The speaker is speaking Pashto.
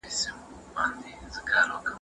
تنبلۍ ته اجازه مه ورکوئ.